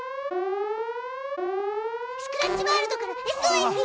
スクラッチワールドからＳＯＳよ！